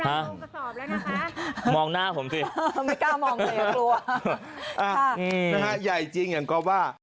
หามองหน้าผมสิไม่กล้ามองตัวเองกลัวอ่านี่นะฮะใหญ่จริงอย่างก๊อบว่า